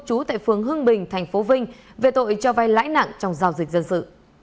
chú tại phường hương bình tp vinh về tội cho vay lãi nặng trong giao dịch dân sự